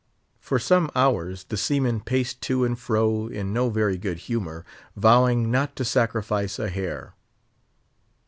For some hours the seamen paced to and fro in no very good humour, vowing not to sacrifice a hair.